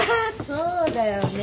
そうだよね。